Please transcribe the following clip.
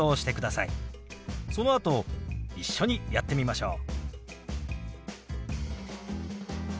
そのあと一緒にやってみましょう。